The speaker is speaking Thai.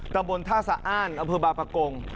ตรงบนท่าสะอ้านอำเภอบาปกรม